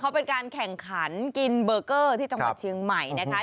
เขาเป็นการแข่งขันกินเบอร์เกอร์ที่จังหวัดเชียงใหม่นะคะ